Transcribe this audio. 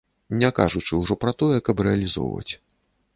Не кажучы ўжо пра тое, каб рэалізоўваць.